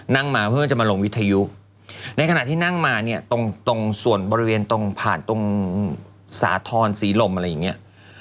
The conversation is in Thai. นั่งมาเพื่อจะมาลงวิทยุในขณะที่นั่งมาเนี่ยตรงตรงส่วนบริเวณตรงผ่านตรงสาธรณ์ศรีลมอะไรอย่างเงี้ย